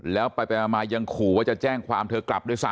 และไปมายังขูว่าจะแจ้งความเธอกลับเลยซ้ำ